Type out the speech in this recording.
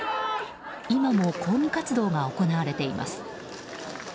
今も抗議活動が行われています。